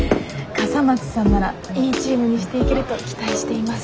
「笠松さんならいいチームにしていけると期待しています」。